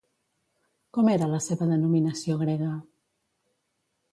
Com era la seva denominació grega?